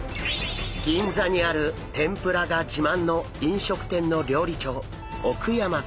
銀座にある天ぷらが自慢の飲食店の料理長奥山さん。